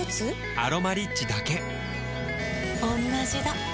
「アロマリッチ」だけおんなじだ